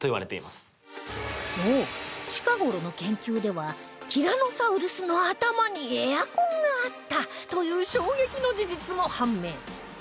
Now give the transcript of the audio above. そう近頃の研究ではティラノサウルスの頭にエアコンがあったという衝撃の事実も判明